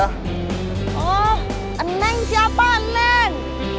oh neng siapa neng